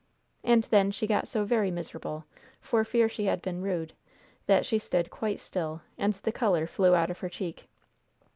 And then she got so very miserable, for fear she had been rude, that she stood quite still, and the color flew out of her cheek.